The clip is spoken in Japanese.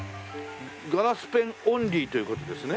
ガラスペンオンリーという事ですね。